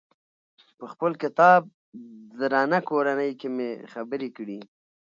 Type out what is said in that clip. په خپل کتاب درنه کورنۍ کې مې خبرې کړي.